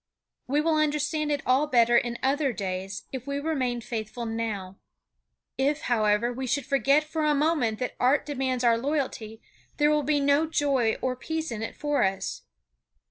We will understand it all better in other days if we remain faithful now. If, however, we should forget for a moment that art demands our loyalty, there will be no joy or peace in it for us.